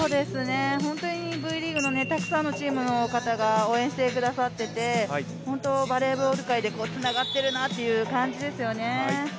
本当にＶリーグの、たくさんのチームの方が応援してくださっててバレーボール界でつながっているなという感じですよね。